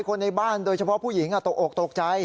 คนในบ้านโดยเฉพาะผู้หญิงตกอกตกใจ